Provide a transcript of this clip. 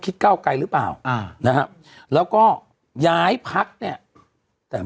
คิดเก้าไกลรึเปล่าอ่านะฮะแล้วก็ย้ายพักเนี้ยแต่ไม่